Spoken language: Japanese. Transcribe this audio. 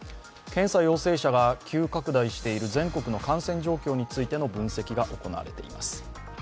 検査陽性者が急拡大している全国の感染状況について分析が行われています。